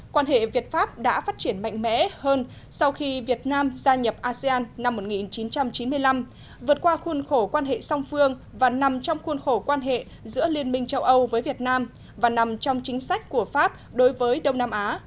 quan hệ việt pháp đã phát triển mạnh mẽ hơn sau khi việt nam gia nhập asean năm một nghìn chín trăm chín mươi năm vượt qua khuôn khổ quan hệ song phương và nằm trong khuôn khổ quan hệ giữa liên minh châu âu với việt nam và nằm trong chính sách của pháp đối với đông nam á